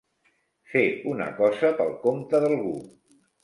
Fer una cosa pel compte d'algú.